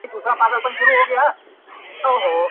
نظم لږ اوږد دی امید لرم چي وې لولی,